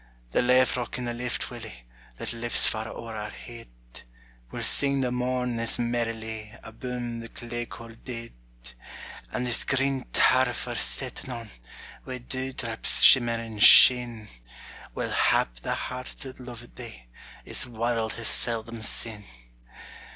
The lav'rock in the lift, Willie, That lifts far ower our heid, Will sing the morn as merrilie Abune the clay cauld deid; And this green turf we're sittin' on, Wi' dew draps shimmerin' sheen, Will hap the heart that luvit thee As warld has seldom seen.